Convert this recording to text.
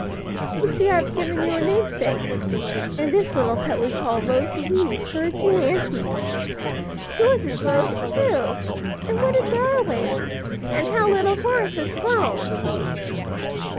You see I have given you a namesake; and this little pet we call Rose Louise, for her two aunties. Yours is Rose, too! and what a darling! and how little Horace has grown!"